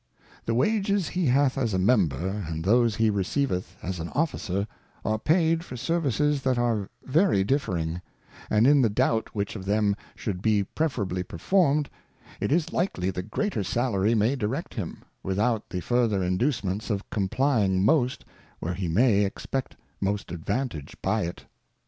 The Wages he hath as a Member, and those he receiveth as an Officer, are paid for Services that are very differing ; and in the doubt which of them should be preferrably performed^ it is likely the greater Salary may direct him, without the further inducements of complying most, where he may expect most advantage by it.